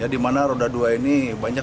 di mana roda dua ini banyak